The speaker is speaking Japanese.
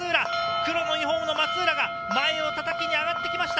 黒のユニホームが、前をたたきに上がってきました。